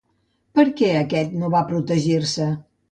Per què aquest no va protegir-se?